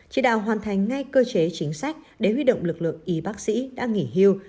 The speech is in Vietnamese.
chỉ đạo hoàn thành ngay cơ chế chính sách để huy động lực lượng y bác sĩ đã nghỉ hưu